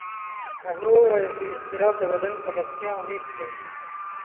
هغه وویل چې اضطراب د بدن پر روغتیا اغېز کوي.